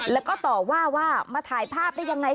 แล้วก็ต่อว่าว่ามาถ่ายภาพได้ยังไง